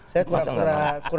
saya kurang tahu